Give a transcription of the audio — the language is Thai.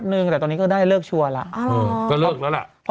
พวกเข้ามานานมากเลยใช่ป่ะค่ะ